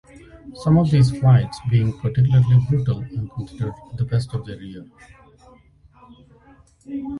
Some of these fights being particularly brutal and considered the best of their year.